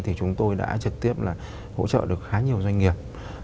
thì chúng tôi đã trực tiếp là hỗ trợ được khá nhiều doanh nghiệp